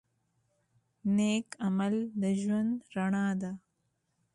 نیک عمل د ژوند رڼا ده.